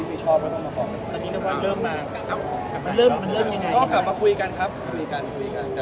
เรากลับมาคุยกันครับ